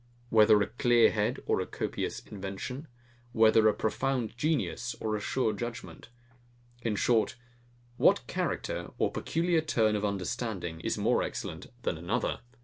Whether a clear head or a copious invention? Whether a profound genius or a sure judgement? In short, what character, or peculiar turn of understanding, is more excellent than another?